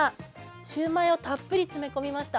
シウマイをたっぷり詰め込みました。